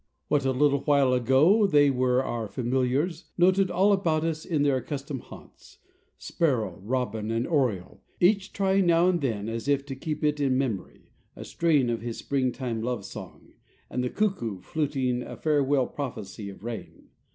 What a little while ago they were our familiars, noted all about us in their accustomed haunts sparrow, robin, and oriole, each trying now and then, as if to keep it in memory, a strain of his springtime love song, and the cuckoo fluting a farewell prophecy of rain.